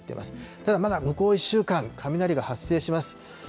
ただ、まだ向こう１週間、雷が発生します。